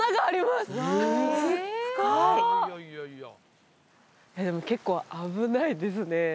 すっごえっでも結構危ないですね